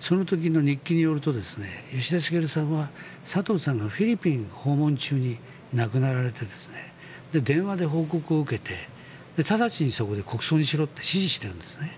その時の日記によると吉田茂さんは佐藤さんのフィリピン訪問中に亡くなられて電話で報告を受けて直ちにそこで、国葬にしろって指示してるんですね。